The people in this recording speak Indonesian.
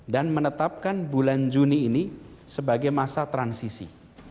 dan menetapkan bulan juni ini sebagai masa transisi